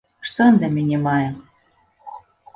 Што ён да мяне мае!